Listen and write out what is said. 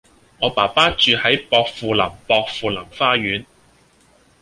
我爸爸住喺薄扶林薄扶林花園